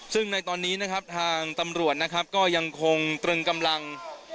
ซึ่งในตอนนี้นะครับทางตำรวจนะครับก็ยังคงตรึงกำลัง